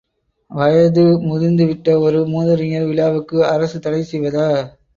வயது முதிர்ந்து விட்ட ஒரு மூதறிஞர் விழாவுக்கு அரசு தடை செய்வதா?